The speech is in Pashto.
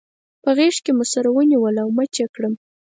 په غېږ کې مې سره ونیول او مچ يې کړم.